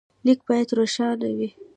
لیک باید روښانه وي.